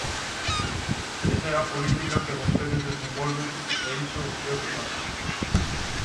Esa é a política que vostedes desenvolven e iso é o que fan.